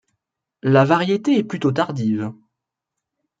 La variété est plutôt tardive.